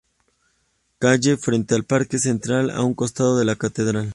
Calle, frente al Parque Central, a un costado de la Catedral.